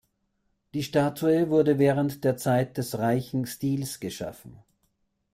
Die Statue wurde während der Zeit des Reichen Stils geschaffen.